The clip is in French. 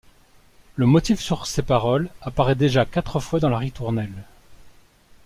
Le motif sur ces paroles apparaît déjà quatre fois dans la ritournelle.